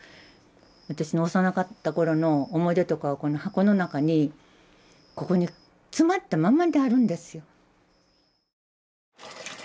私の幼かったころの思い出とかがこの箱の中にここに詰まったまんまであるんですよ。